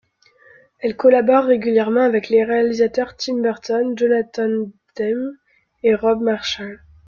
Elle collabore régulièrement avec les réalisateurs Tim Burton, Jonathan Demme et Rob Marshall.